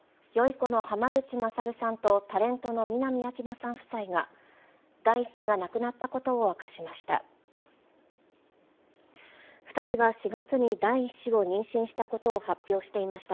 この濱口優さんとタレントの南明奈さん夫妻が、第１子が亡くなったことを明かしました。